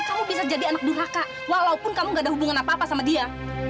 kamu bisa jadi anak durhaka walaupun kamu gak ada hubungan apa apa sama dia